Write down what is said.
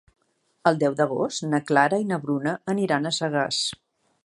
El deu d'agost na Clara i na Bruna aniran a Sagàs.